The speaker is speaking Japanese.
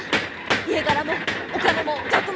家柄もお金も学もある！